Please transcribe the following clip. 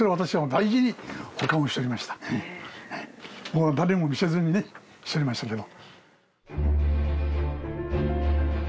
もう誰にも見せずにねしておりましたけど。